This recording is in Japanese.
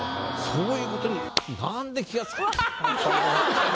そういうことになんで気がつかなかったんだ。